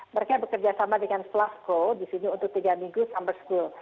mereka bekerja sama dengan slusco disini untuk tiga minggu summer school